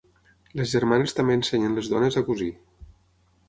Les germanes també ensenyen les dones a cosir.